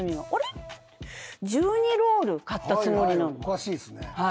おかしいっすね。